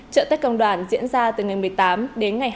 trợ tết công đoàn diễn ra từ ngày một mươi tám đến ngày hai mươi